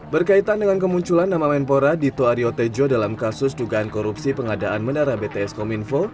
berkaitan dengan kemunculan nama menpora dito aryo tejo dalam kasus dugaan korupsi pengadaan menara bts kominfo